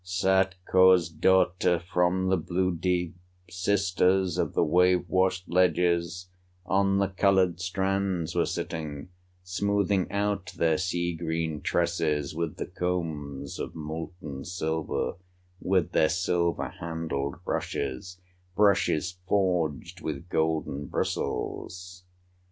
Satko's daughters from the blue deep, Sisters of the wave washed ledges, On the colored strands were sitting, Smoothing out their sea green tresses With the combs of molten silver, With their silver handled brushes, Brushes forged with golden bristles.